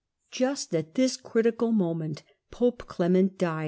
Just at this critical moment pope Clement died.